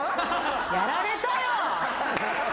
やられたよ。